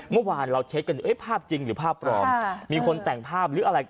เมื่อวานเราเช็คกันภาพจริงหรือภาพปลอมมีคนแต่งภาพหรืออะไร